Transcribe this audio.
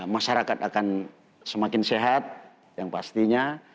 masyarakat akan semakin sehat yang pastinya